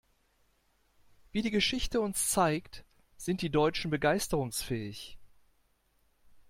Wie die Geschichte uns zeigt, sind die Deutschen begeisterungsfähig.